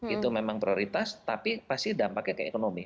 itu memang prioritas tapi pasti dampaknya ke ekonomi